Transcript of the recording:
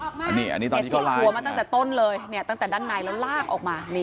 อันนี้จดหัวมาตั้งแต่ต้นเลยตั้งแต่ด้านในแล้วลากออกมา